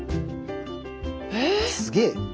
すげえ。